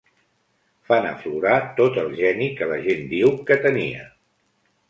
Fan aflorar tot el geni que la gent diu que tenia.